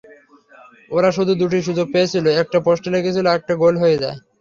ওরা শুধু দুটি সুযোগ পেয়েছিল—একটা পোস্টে লেগেছিল, আরেকটা গোল হয়ে যায়।